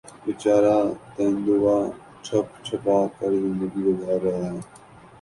بیچارہ تیندوا چھپ چھپا کر زندگی گزار رہا تھا